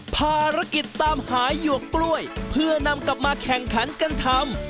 ภารกิจตามหาหยวกกล้วยเพื่อนำกลับมาแข่งขันกันทำ